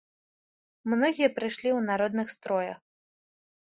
Многія прыйшлі ў народных строях.